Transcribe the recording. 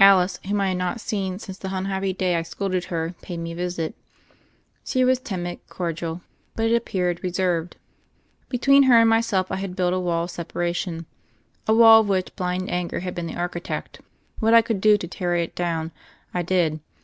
Alice, whom I had not seen since the un happy day I scolded her, paid me a visit. She was timid, cordial, but, it appeared, reserved. Between her and myself I had built a wall of separation, a wall of which blind arlger had been the architect. What I could do to tear it down, I did.